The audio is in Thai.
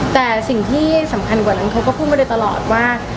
แต่สิ่งที่สำคัญกว่านั้นเขาก็พูดมาโดยตลอดว่า